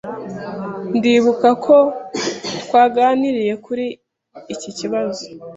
Ndibuka ko twaganiriye kuri iki kibazo.